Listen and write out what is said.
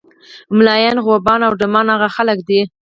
ملایان، غوبانه او ډمان هغه خلک دي.